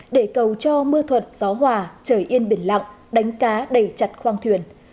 để cầu cho mưa thuận gió hòa trời yên biển lặng đánh cá đầy chặt khoang thuyền